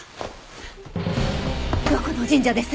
どこの神社です？